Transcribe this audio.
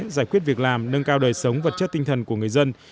giải quyết việc làm nâng cao đời sống vật chất tinh thần của người dân